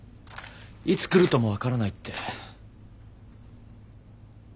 いつ来るとも分からないって。